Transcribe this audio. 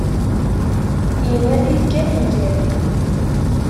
Yenna-t-id kan, iga-t.